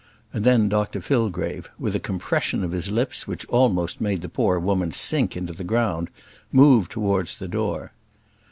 And then Dr Fillgrave, with a compression of his lips which almost made the poor woman sink into the ground, moved towards the door.